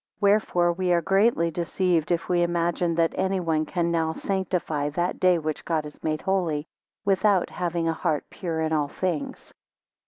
Wherefore we are greatly deceived if we imagine that anyone can now sanctify that day which God has made holy, without having a heart pure in all things.